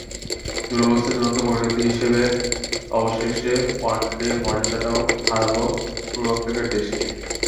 দুরবস্থার চূড়ান্ত পরিণতি হিসেবে অবশেষে ওয়ানডে মর্যাদাটাও হারাল পূর্ব আফ্রিকার দেশটি।